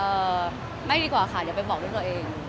ไม่ดีกว่าค่ะเดี๋ยวไปบอกลูกตัวเอง